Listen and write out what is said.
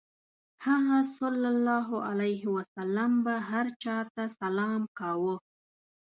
هغه ﷺ به هر چا ته سلام کاوه.